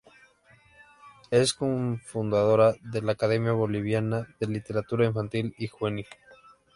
Es cofundadora de la Academia Boliviana de Literatura infantil y Juvenil.